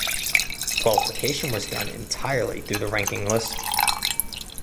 Qualification was done entirely through the ranking list.